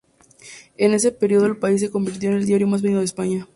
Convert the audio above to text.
En ese periodo, "El País" se convirtió en el diario más vendido de España.